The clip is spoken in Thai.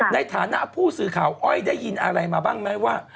ในฐานะผู้สื่อข่าวอ้อยได้ยินอะไรมาบ้างไหมว่า